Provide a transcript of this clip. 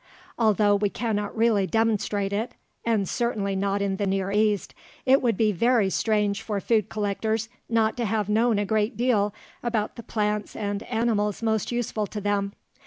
Although we cannot really demonstrate it and certainly not in the Near East it would be very strange for food collectors not to have known a great deal about the plants and animals most useful to them.